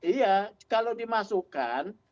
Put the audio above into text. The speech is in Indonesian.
iya kalau dimasukkan